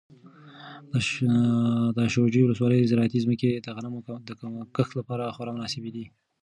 د شاجوی ولسوالۍ زراعتي ځمکې د غنمو د کښت لپاره خورا مناسبې دي.